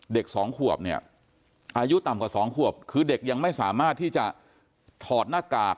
สองขวบเนี่ยอายุต่ำกว่า๒ขวบคือเด็กยังไม่สามารถที่จะถอดหน้ากาก